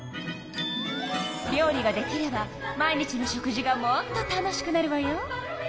料理ができれば毎日の食事がもっと楽しくなるわよ。